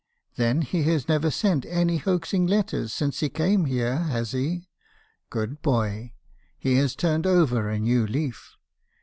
"'Then he has never sent any hoaxing letters since he came here , has he? Good boy! He has turned over a new leaf.